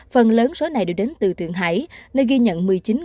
phần lớn số này được đến từ thượng hải nơi ghi nhận một mươi chín bốn trăm năm mươi năm